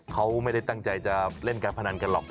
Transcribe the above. เขาไม่ได้ตั้งใจจะเล่นการพนันกันหรอก